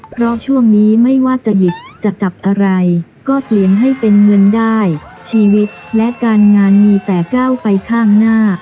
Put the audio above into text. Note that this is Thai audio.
เพราะช่วงนี้ไม่ว่าจะหยิบจะจับอะไรก็เปลี่ยนให้เป็นเงินได้ชีวิตและการงานมีแต่ก้าวไปข้างหน้า